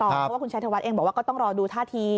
เพราะว่าคุณชัยธวัฒน์เองบอกว่าก็ต้องรอดูท่าที